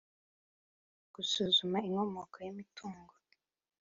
gusuzuma inkomoko y’imitungo